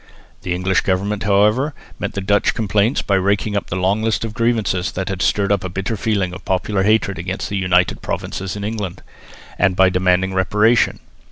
The English government, however, met the Dutch complaints by raking up the long list of grievances that had stirred up a bitter feeling of popular hatred against the United Provinces in England, and by demanding reparation.